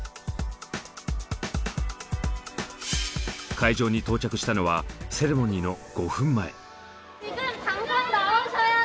会場に到着したのはセレモニーの５分前。